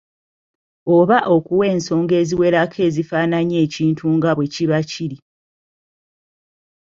Oba okuwa ensonga eziwerako ezifaananya ekintu nga bwe kiba kiri.